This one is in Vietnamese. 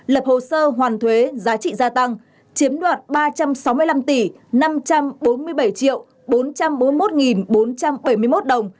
lập hồ sơ hoàn thuế giá trị gia tăng chiếm đoạt ba trăm sáu mươi năm tỷ năm trăm bốn mươi bảy bốn trăm bốn mươi một bốn trăm bảy mươi một đồng